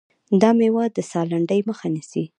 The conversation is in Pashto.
دا مېوه د ساه لنډۍ مخه نیسي.